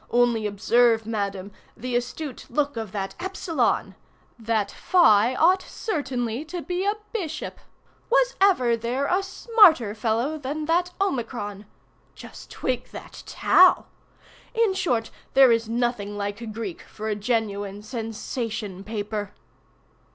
Only observe, madam, the astute look of that Epsilon! That Phi ought certainly to be a bishop! Was ever there a smarter fellow than that Omicron? Just twig that Tau! In short, there is nothing like Greek for a genuine sensation paper.